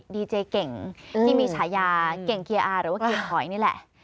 ดีเจเก่งที่มีฉายาเก่งเกียร์อาหรือว่าเกียร์ถอยนี่แหละ